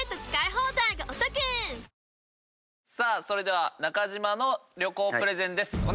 それでは中島の旅行プレゼンです。